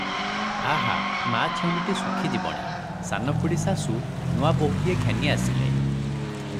ଆହା! ମା ଛେଉଣ୍ତିଟି ଶୁଖିଯିବଣି!' ସାନ ଖୁଡ଼ୀ ଶାଶୁ ନୂଆ ବୋହୁଟିଏ ଘେନି ଆସିଲେ ।